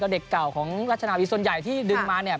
เด็กเก่าของราชนาวีส่วนใหญ่ที่ดึงมาเนี่ย